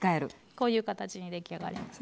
こういう形に出来上がりますね。